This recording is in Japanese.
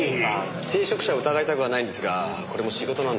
聖職者を疑いたくはないんですがこれも仕事なんで。